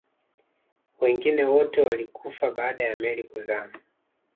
wengine wote walikufa baada ya meli kuzama